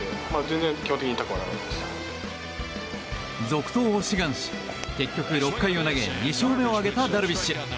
続投を志願し結局、６回を投げ２勝目を挙げたダルビッシュ。